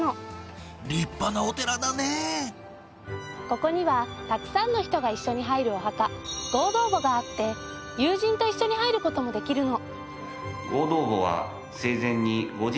ここにはたくさんの人が一緒に入るお墓合同墓があって友人と一緒に入る事もできるの。